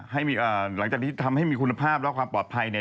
หลังจากที่ทำให้มีคุณภาพและความปลอดภัยเนี่ย